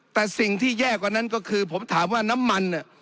แต่สิ่งที่แย่กว่านั้นก็คือผมถามว่าน้ำมัน